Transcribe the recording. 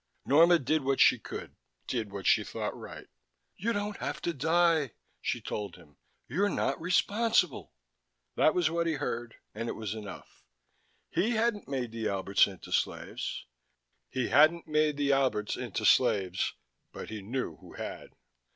Norma did what she could, did what she thought right. "You don't have to die," she told him. "You're not responsible." That was what he heard, and it was enough. He hadn't made the Alberts into slaves. He hadn't made the Alberts into slaves. But he knew who had.